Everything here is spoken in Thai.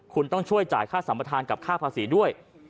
คุณต้องช่วยจ่ายค่าสัมประธานกับค่าภาษีด้วย